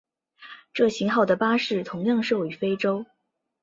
这型号的巴士同样售予非洲。